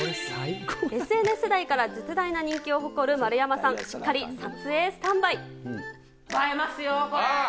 ＳＮＳ世代から絶大な人気を誇る丸山さん、しっかり撮影スタンバ映えますよ、これ。